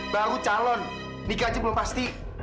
baru calon nikah aja belum pasti